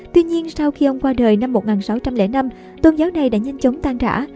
tuy nhiên sau khi ông qua đời năm một nghìn sáu trăm linh năm tôn giáo này đã nhanh chóng tan rã